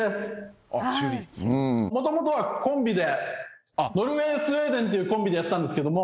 もともとはコンビでノルウェースウェーデンっていうコンビでやってたんですけども。